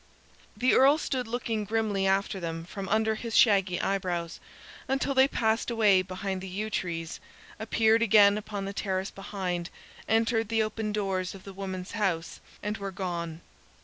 The Earl stood looking grimly after them from under his shaggy eyebrows, until they passed away behind the yew trees, appeared again upon the terrace behind, entered the open doors of the women's house, and were gone.